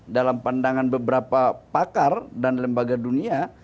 dalam pandangan beberapa pakar dan lembaga dunia